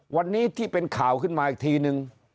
วันนี้ที่เป็นข่าวขึ้นมาอีกทีนึง